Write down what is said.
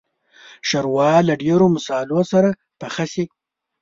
ښوروا له ډېرو مصالحو سره پخه شي.